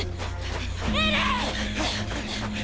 エレン！！